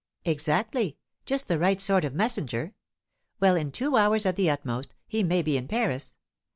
"Exactly! just the right sort of messenger. Well, in two hours at the utmost, he may be in Paris.